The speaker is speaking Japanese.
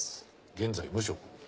現在無職。